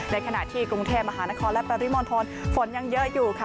ในขณะที่กรุงเทพมหานครและปริมณฑลฝนยังเยอะอยู่ค่ะ